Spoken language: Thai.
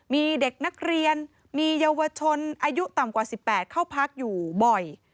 มีเด็กนักเรียนมีเยาวชนอายุต่ำกว่า๑๘เข้าพักอยู่บ่อย